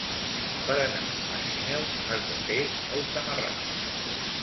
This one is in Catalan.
Per anar a Sineu has de fer molta marrada.